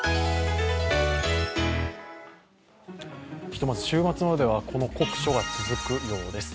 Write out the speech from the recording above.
ひとまず週末まではこの酷暑が続くようです。